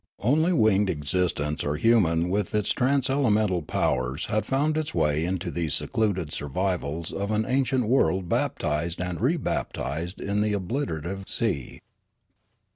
Only winged existence or human with its trans elemental powers had found its way into these 12 178 Riallaro secluded survivals of an ancient world baptised and rebaptised in the obliterative sea.